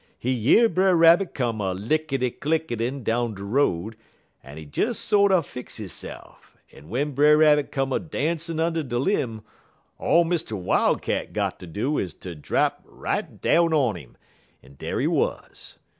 He year Brer Rabbit come a lickity clickitin' down de road, en he des sorter fix hisse'f, en w'en Brer Rabbit come a dancin' und' de lim', all Mr. Wildcat got ter do is ter drap right down on 'im, en dar he wuz.